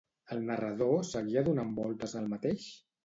El narrador seguia donant voltes al mateix?